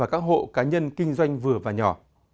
và các hộ cá nhân kinh doanh vừa và nhỏ